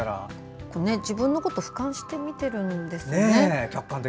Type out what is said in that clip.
自分のことをふかんして見ているんですよね。